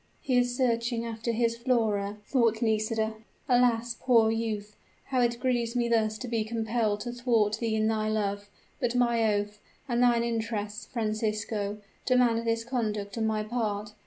"He is searching after his Flora," thought Nisida. "Alas, poor youth how it grieves me thus to be compelled to thwart thee in thy love! But my oath and thine interests, Francisco, demand this conduct on my part.